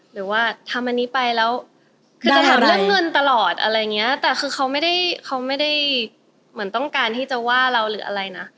หรือว่าทำอันนี้ไปแล้วคือจะถามเรื่องเงินตลอดอะไรอย่างเงี้ยแต่คือเขาไม่ได้เขาไม่ได้เหมือนต้องการที่จะว่าเราหรืออะไรนะ